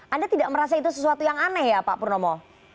anda tidak merasa itu sesuatu yang aneh ya pak purnomo